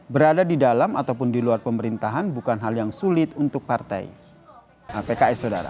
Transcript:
berada di dalam ataupun di luar pemerintahan bukan hal yang sulit untuk partai pks sodara